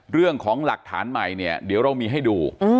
เรื่องของหลักฐานใหม่เนี่ยเดี๋ยวเรามีให้ดู